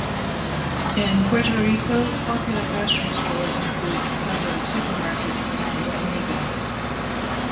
In Puerto Rico, popular grocery stores include Pueblo Supermarkets and Amigo.